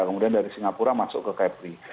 kemudian dari singapura masuk ke capri